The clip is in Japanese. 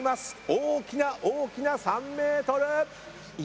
大きな大きな３ｍ。